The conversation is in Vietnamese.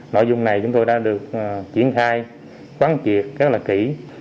nội dung này chúng tôi đã được triển khai quán triệt rất là kỹ